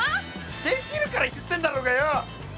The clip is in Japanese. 出来るから言ってんだろうがよ！